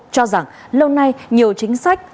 cho rằng lâu nay nhiều chính sách